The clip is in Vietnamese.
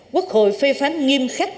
quốc hội phê phán nghiêm khắc